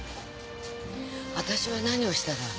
私は何をしたら？